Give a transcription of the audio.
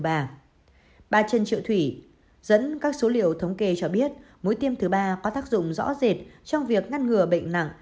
bà trần triệu thủy dẫn các số liệu thống kê cho biết mối tiêm thứ ba có tác dụng rõ rệt trong việc ngăn ngừa bệnh nặng